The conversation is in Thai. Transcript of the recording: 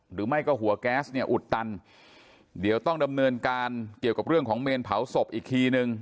หรือไม่ก็หัวแก๊สเนี่ยอุดตันเดี๋ยวต้องดำเนินการเกี่ยวกับเรื่องของเมนเผาศพอีกทีนึง